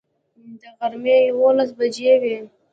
د غرمې یوولس بجې وې.